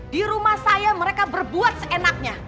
di rumah saya mereka berbuat seenaknya